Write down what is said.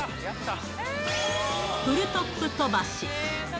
プルトップ飛ばし。